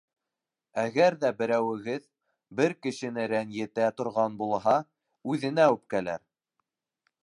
Әгәр ҙә берәүегеҙ бер кешене рәнйетә торған булһа, үҙенә үпкәләр.